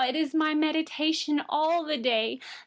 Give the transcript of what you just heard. It is my meditation all day.